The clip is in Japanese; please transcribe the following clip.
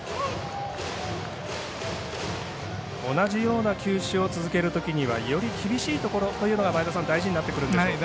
同じような球種を続けるときにはより厳しいところというのが大事になってくるんでしょうか。